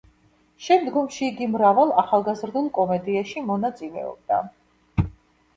შემდგომში იგი მრავალ ახალგაზრდულ კომედიაში მონაწილეობდა.